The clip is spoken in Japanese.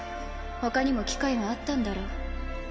ほかにも機会はあったんだろう。